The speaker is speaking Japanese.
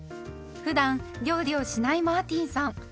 ふだん料理をしないマーティンさん